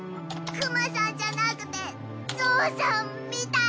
クマさんじゃなくてゾウさんみたい！